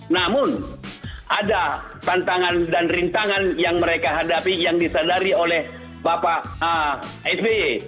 namun ada tantangan dan rintangan yang mereka hadapi yang disadari oleh bapak sby